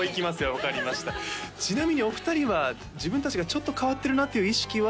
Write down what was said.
分かりましたちなみにお二人は自分達がちょっと変わってるなっていう意識は？